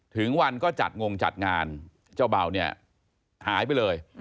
ถึงวันก็จัดงงจัดงานเจ้าเบาเนี่ยหายไปเลย